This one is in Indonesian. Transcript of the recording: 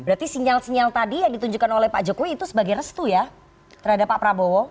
jadi sinyal sinyal tadi yang ditunjukkan oleh pak jokowi itu sebagai restu ya terhadap pak prabowo